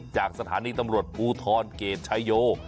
จากสถานีตำรวจภูทรเกรดชายโย